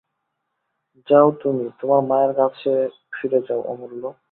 যাও তুমি, তোমার মায়ের কাছে ফিরে যাও অমূল্য।